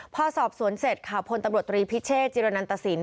พอสอบสวนเสร็จค่ะพลตำรวจตรีพิเชษจิรณันตสิน